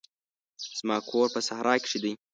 زما کور په صحرا کښي دی.